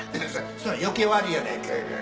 それ余計悪いやないかい。